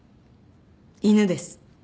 犬です。